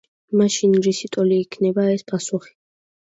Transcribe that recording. მაშინ რისი ტოლი იქნება ეს პასუხი?